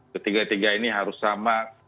ketiga tiga ini harus sama concern kita